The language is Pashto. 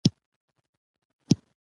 په پښتو ژبه کښي د خبر ډولونه اسمي او فعلي دي.